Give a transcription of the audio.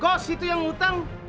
kok situ yang hutang